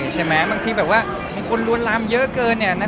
ใช่ไหมบางทีแบบว่าคนรวมรามเยอะเกินเนี่ย